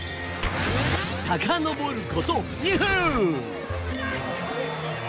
さかのぼること２分。